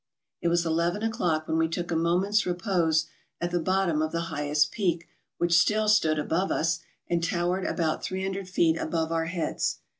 It was eleven o'clock when we took a moment's repose at the bottom of the highest peak which still stood above us, and towered about 300 feet above our lieads.